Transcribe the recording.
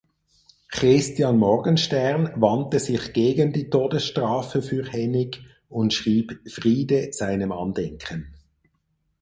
Christian Morgenstern wandte sich gegen die Todesstrafe für Hennig und schrieb "Friede seinem Andenken".